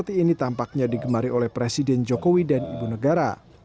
ih nanti mengalirkan si penyuluhan apa aja